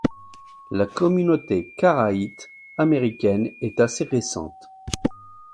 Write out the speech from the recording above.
La communauté karaïte américaine est assez récente.